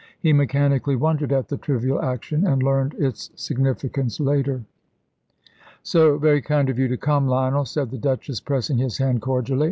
He mechanically wondered at the trivial action, and learned its significance later. "So very kind of you to come, Lionel," said the Duchess, pressing his hand cordially.